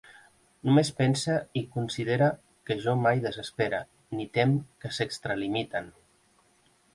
Només pense i considere que jo mai desespere, ni tem que s'extralimiten.